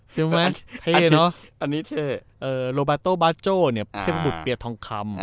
ใช่ไหมมันเท่เนาะอันนี้เท่โลแบตโตบาโจเนี่ยเทพบุตรเปียดทองคำ